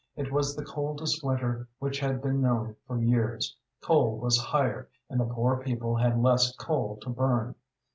It was the coldest winter which had been known for years; coal was higher, and the poor people had less coal to burn.